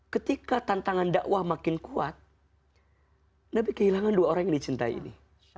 ketika tantangan dakwah makin kuat nabi kehilangan dua orang yang dicintai ini